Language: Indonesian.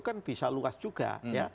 kan bisa luas juga